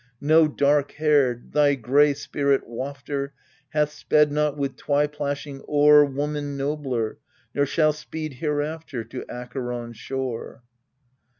Know, Dark haired, thy gray Spirit wafter Hath sped not with twy plashing oar Woman nobler, nor shall speed hereafter To Acheron's shore.